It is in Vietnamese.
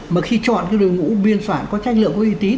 mà khi chọn cái đội ngũ biên soạn có chất lượng có uy tín